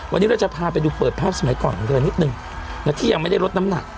วันนี้เราจะพาไปดูเปิดภาพสมัยก่อนของเธอนิดนึงนะที่ยังไม่ได้ลดน้ำหนัก